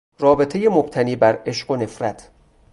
رابطهی مبتنی بر عشق و نفرت